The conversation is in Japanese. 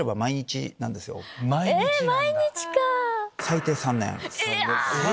毎日か！